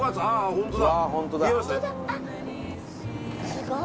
ホントだ！